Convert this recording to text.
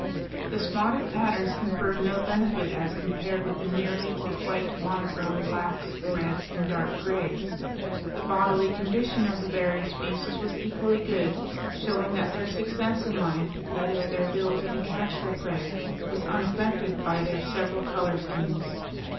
The spotted patterns conferred no benefit as compared with the nearly or quite monochrome blacks, reds, and dark grays. The bodily condition of the various beasts was equally good, showing that their success in life, that is, their ability to catch their prey, was unaffected by their several color schemes.